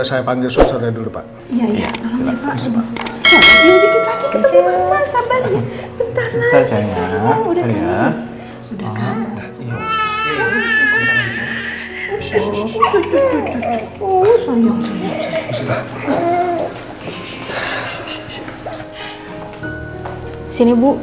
sampai jumpa besok